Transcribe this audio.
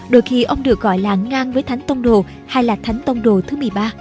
đôi khi ông được gọi là ngang với thánh tông đồ hay là thánh tông đồ thứ một mươi ba